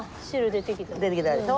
出てきたでしょ？